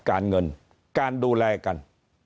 การเงินการดูแลกัน